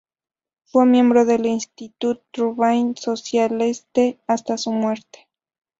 Fue miembro del "Institut Tribune Socialiste" hasta su muerte.